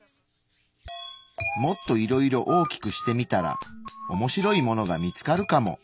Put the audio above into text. もっといろいろ大きくしてみたら面白いものが見つかるかも。